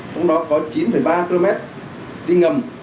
trong đó có chín ba km đi ngầm